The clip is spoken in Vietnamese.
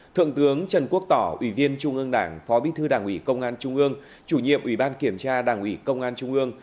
thượng tướng trần quốc tỏ ủy viên trung ương đảng phó bí thư đảng ủy công an trung ương chủ nhiệm ủy ban kiểm tra đảng ủy công an trung ương